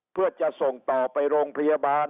เพื่อจะส่งต่อไปโรงพยาบาล